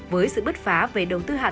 với sự bứt phá về tổng mức đầu tư